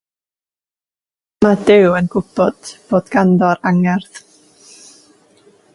Mae Duw yn gwybod bod ganddo'r angerdd.